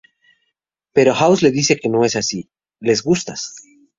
Pero House le dice que no es así: "les gustas".